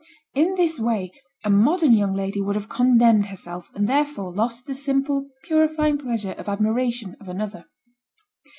In this way a modern young lady would have condemned herself, and therefore lost the simple, purifying pleasure of admiration of another.